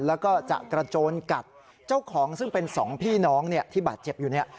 แล้วก็จะกระโจนกัดเจ้าของซึ่งเป็นสองพี่น้องเนี่ยที่บาดเจ็บอยู่เนี่ย